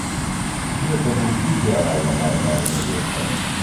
Гэта быў ідэальна нармальны вечар.